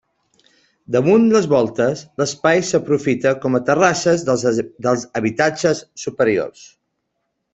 Damunt les voltes, l'espai s'aprofita com a terrasses dels habitatges superiors.